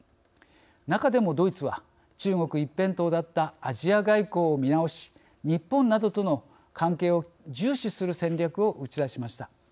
中でもドイツは中国一辺倒だったアジア外交を見直し日本などとの関係を重視する戦略を打ち出しました。